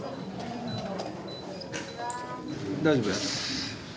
大丈夫です。